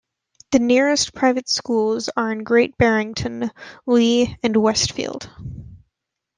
The nearest private schools are in Great Barrington, Lee and Westfield.